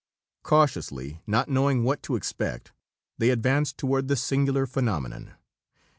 Cautiously, not knowing what to expect, they advanced toward the singular phenomenon.